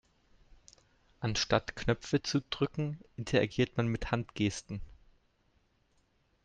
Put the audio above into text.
Anstatt Knöpfe zu drücken, interagiert man mit Handgesten.